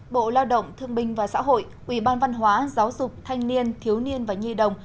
bộ lao động thương binh và xã hội ủy ban văn hóa giáo dục thanh niên thiếu niên và nhi đồng